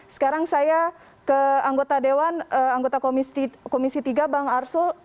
sekarang saya ke anggota dewan anggota komisi tiga bang arsul